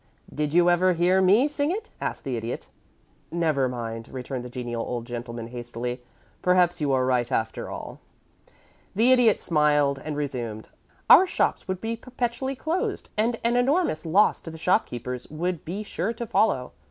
"Did you ever hear me sing it?" asked the Idiot. "Never mind," returned the genial old gentleman, hastily. "Perhaps you are right, after all." [Illustration: BOBBO] The Idiot smiled, and resumed: "Our shops would be perpetually closed, and an enormous loss to the shopkeepers would be sure to follow.